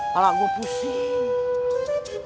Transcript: kalah gue pusing